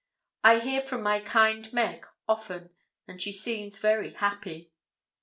I hear from my kind Meg often, and she seems very happy.